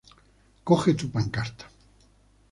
Coge tu pancarta